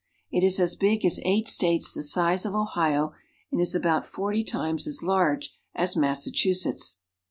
It is as big as eight States the size of Ohio and is about forty times as large as Massachusetts.